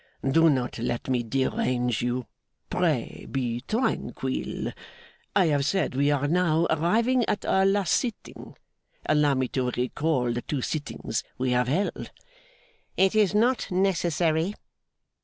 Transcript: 'Do not let me derange you; pray be tranquil. I have said we are now arrived at our last sitting. Allow me to recall the two sittings we have held.' 'It is not necessary.